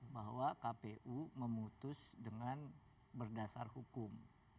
bahwa kpu memutus dengan berdasar hukum